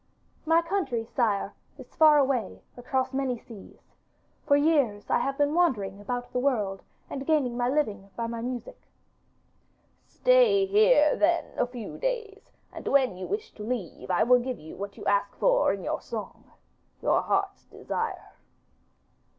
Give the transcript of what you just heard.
'My country, sire, is far away across many seas. For years I have been wandering about the world and gaining my living by my music.' 'Stay here then a few days, and when you wish to leave I will give you what you ask for in your song your heart's desire.